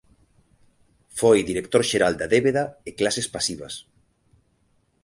Foi Director Xeral da Débeda e Clases Pasivas.